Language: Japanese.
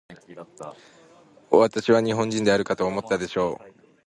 私は日本人であるかと思ったでしょう。